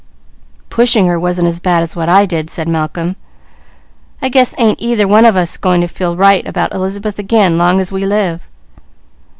"Pushing her wasn't as bad as what I did," said Malcolm. "I guess ain't either one of us going to feel right about Elizabeth again, long as we live."